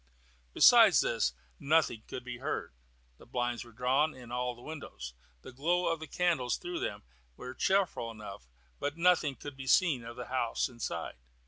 Besides this, nothing could be heard. The blinds were drawn in all the windows. The glow of the candles through them was cheerful enough, but nothing could be seen of the house inside.